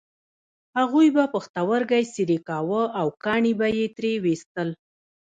هغوی به پښتورګی څیرې کاوه او کاڼي به یې ترې ویستل.